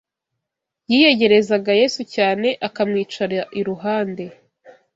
Yiyegerezaga Yesu cyane, akamwicara iruhande